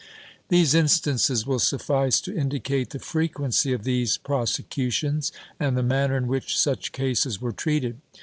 These instances will suffice to indicate the frequency of these prosecutions and the manner in which such cases were treated.